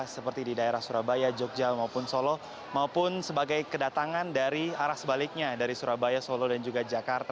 seperti di daerah surabaya jogja maupun solo maupun sebagai kedatangan dari arah sebaliknya dari surabaya solo dan juga jakarta